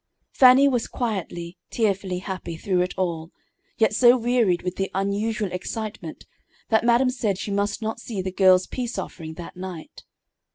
Fannie was quietly, tearfully happy through it all, yet so wearied with the unusual excitement that madam said she must not see the girl's "peace offering" that night.